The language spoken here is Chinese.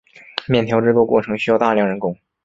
面条制作过程需要大量人工。